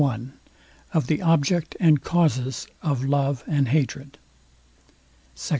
I OF THE OBJECT AND CAUSES OF LOVE AND HATRED SECT.